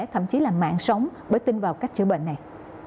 thậm chí là mạng sống bởi tin vào cách chữa bệnh này